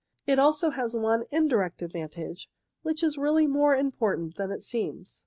It also has one indirect advantage, which is really more important than it seems.